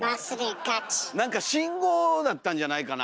なんか信号だったんじゃないかな。